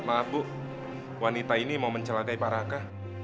maaf bu wanita ini mau menceladai pak raka